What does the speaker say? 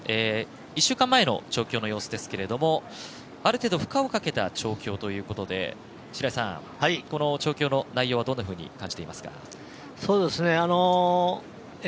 １週間前の調教の様子ですけれどある程度、負荷をかけた調教ということで白井さん、この調教の内容はどんなふうに感じていますか？